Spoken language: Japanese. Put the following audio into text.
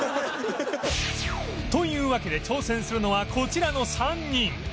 というわけで挑戦するのはこちらの３人